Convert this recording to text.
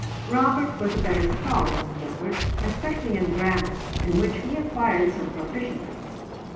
Robert was a better scholar than Gilbert, especially in grammar, in which he acquired some proficiency.